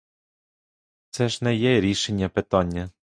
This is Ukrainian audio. Це ж не є рішення питання.